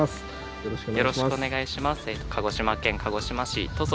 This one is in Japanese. よろしくお願いします。